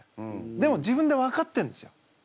でも自分で分かってるんですよ